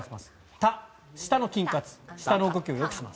「タ」、舌の筋活舌の動きをよくします。